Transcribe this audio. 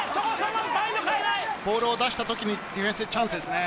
ボールを出した時にディフェンス、チャンスですね。